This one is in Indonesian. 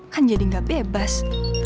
kan jadi gak bebas